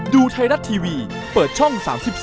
ดูไทยรัฐทีวีเปิดช่อง๓๒